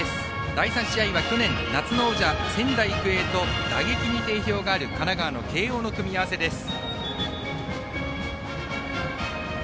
第３試合は去年夏の王者・仙台育英と打撃に定評がある神奈川の慶応の組み合わせです。